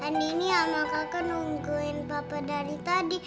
andini sama kakek nungguin papa dari tadi